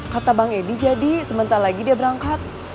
kata bang edi jadi sebentar lagi dia berangkat